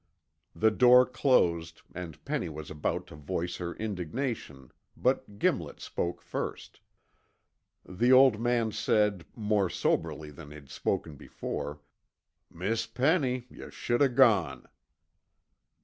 The door closed, and Penny was about to voice her indignation, but Gimlet spoke first. The old man said, more soberly than he'd spoken before, "Miss Penny, yuh should o' gone."